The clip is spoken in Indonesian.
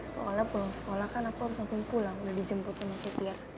soalnya pulang sekolah kan aku harus langsung pulang udah dijemput sama supir